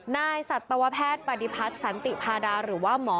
สัตวแพทย์ปฏิพัฒน์สันติพาดาหรือว่าหมอ